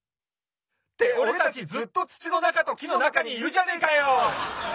っておれたちずっとつちのなかときのなかにいるじゃねえかよ！